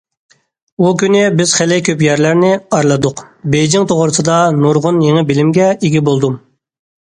ئۇ كۈنى بىز خېلى كۆپ يەرلەرنى ئارىلىدۇق، بېيجىڭ توغرىسىدا نۇرغۇن يېڭى بىلىمگە ئىگە بولدۇم.